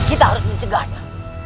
kita harus mencegahnya